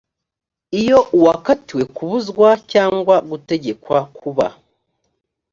iyo uwakatiwe kubuzwa cyangwa gutegekwa kuba